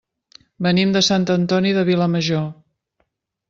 Venim de Sant Antoni de Vilamajor.